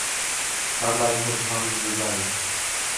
Skandal z podsłuchami w Bułgarii